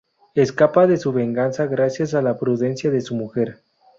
Escapa de su venganza gracias a la prudencia de su mujer.